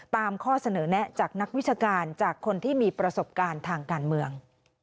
ข้อเสนอแนะจากนักวิชาการจากคนที่มีประสบการณ์ทางการเมือง